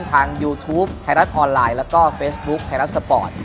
ยูทูปไทยรัฐออนไลน์แล้วก็เฟซบุ๊คไทยรัฐสปอร์ต